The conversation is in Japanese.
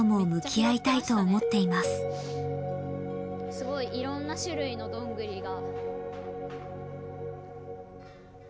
すごいいろんな種類のどんぐりが。